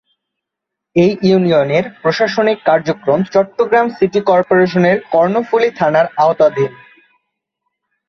এ ইউনিয়নের প্রশাসনিক কার্যক্রম চট্টগ্রাম সিটি কর্পোরেশনের কর্ণফুলী থানার আওতাধীন।